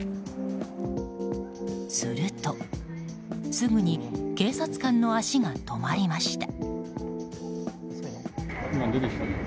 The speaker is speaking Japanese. すると、すぐに警察官の足が止まりました。